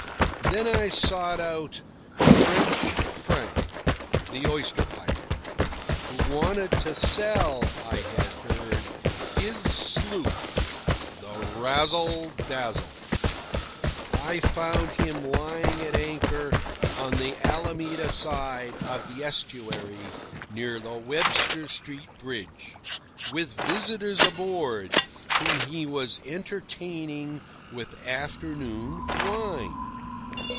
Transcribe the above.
Then I sought out French Frank, the oyster pirate, who wanted to sell, I had heard, his sloop, the Razzle Dazzle. I found him lying at anchor on the Alameda side of the estuary near the Webster Street bridge, with visitors aboard, whom he was entertaining with afternoon wine.